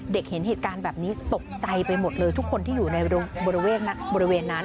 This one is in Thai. เห็นเหตุการณ์แบบนี้ตกใจไปหมดเลยทุกคนที่อยู่ในบริเวณนั้น